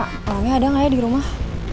orangnya ada gak ya di rumah